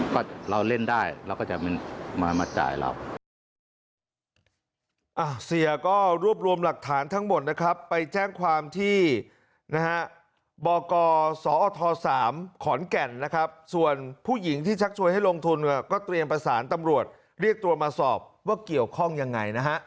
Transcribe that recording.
ก็เราเล่นได้เราก็จะมาจ่ายเรา